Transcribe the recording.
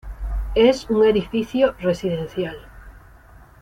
Es un edificio residencial.